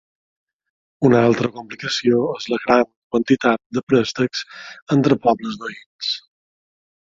Una altra complicació és la gran quantitat de préstecs entre pobles veïns.